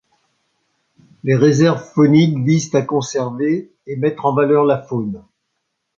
Les réserves fauniques visent à conserver et mettre en valeur la faune.